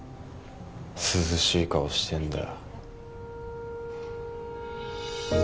涼しい顔してんだよ・